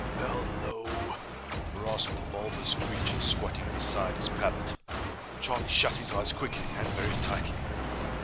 "Hel lo!" rasped the bulbous creature squatting beside his pallet. Charlie shut his eyes quickly, and very tightly.